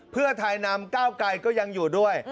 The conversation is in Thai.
เพื่อไทยนำก้าวไกรก็ยังอยู่ด้วย